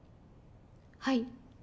はい。